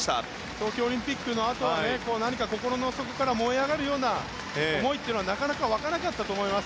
東京オリンピックのあと心の底から燃え上がるような思いというのはなかなか湧かなかったと思います。